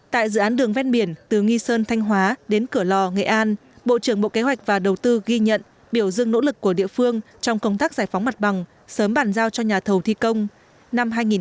tại dự án đường vét biển từ nghi sơn thanh hóa đến cửa lò nghệ an bộ trưởng bộ kế hoạch và đầu tư ghi nhận biểu dương nỗ lực của địa phương trong công tác giải phóng mặt bằng sớm bàn giao cho nhà thầu thi công